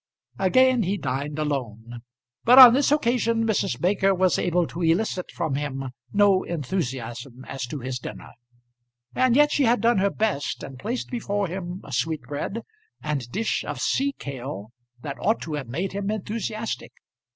Again he dined alone; but on this occasion Mrs. Baker was able to elicit from him no enthusiasm as to his dinner. And yet she had done her best, and placed before him a sweetbread and dish of sea kale that ought to have made him enthusiastic.